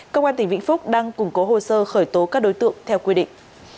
công an tỉnh vĩnh phúc đang củng cố hồ sơ khởi tố các đối tượng theo quy định